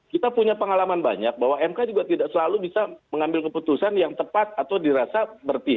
kita punya pengalaman banyak bahwa mk juga tidak selalu bisa mengambil keputusan yang tepat atau dirasa bertindak